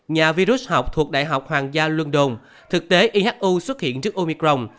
nhà virus học thuộc đại học hoàng gia london thực tế ihu xuất hiện trước omicron